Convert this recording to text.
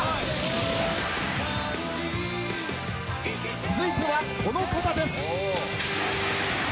続いてはこの方です。